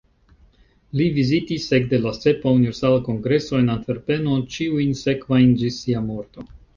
Li vizitis ekde la sepa Universala Kongreso en Antverpeno ĉiujn sekvajn, ĝis sia morto.